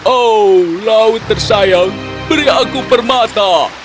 oh laut tersayang beri aku permata